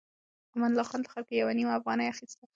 امان الله خان له خلکو يوه نيمه افغانۍ اخيسته.